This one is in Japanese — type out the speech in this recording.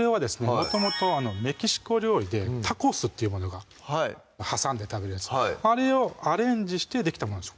もともとメキシコ料理でタコスっていうものが挟んで食べるやつあれをアレンジしてできたものなんですよ